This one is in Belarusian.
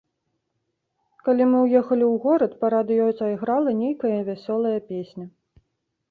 Калі мы ўехалі ў горад, па радыё зайграла нейкая вясёлая песня.